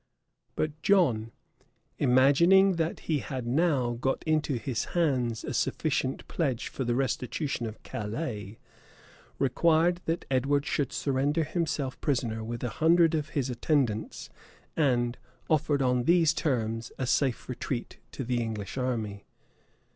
But John, imagining that he had now got into his hands a sufficient pledge for the restitution of Calais, required that Edward should surrender himself prisoner with a hundred of his attendants; and offered, on these terms, a safe retreat to the English army.